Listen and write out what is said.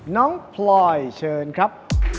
น้องพลอยเชิญครับ